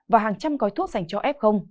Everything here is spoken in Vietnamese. và hàng trăm gói thuốc dành cho f